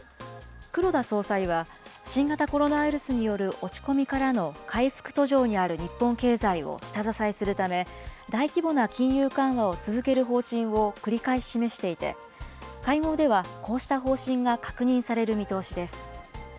黒田総裁は、新型コロナウイルスによる落ち込みからの回復途上にある日本経済を下支えするため、大規模な金融緩和を続ける方針を繰り返し示していて、会合では、こうした方針が確認される見通しです。